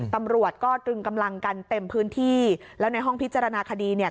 ตำรวจก็ตรึงกำลังกันเต็มพื้นที่แล้วในห้องพิจารณาคดีเนี่ย